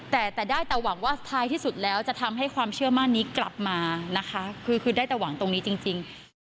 แต่แต่ได้แต่หวังว่าท้ายที่สุดแล้วจะทำให้ความเชื่อมั่นนี้กลับมานะคะคือได้แต่หวังตรงนี้จริง